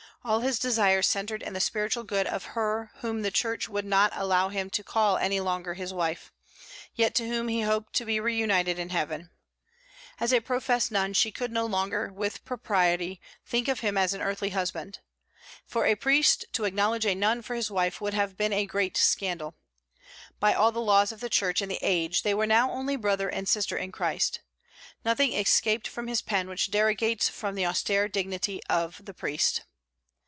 All his desires centred in the spiritual good of her whom the Church would not allow him to call any longer his wife, yet to whom he hoped to be reunited in heaven. As a professed nun she could no longer, with propriety, think of him as an earthly husband. For a priest to acknowledge a nun for his wife would have been a great scandal. By all the laws of the Church and the age they were now only brother and sister in Christ. Nothing escaped from his pen which derogates from the austere dignity of the priest.